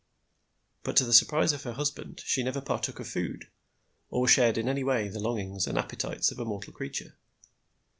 But to the surprise of her husband, she never partook of food, or shared in any way the longings and appetites of a mortal creature.